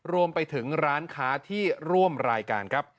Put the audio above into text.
รวมไปถึงร้านค้าที่ร่วมรายการครับ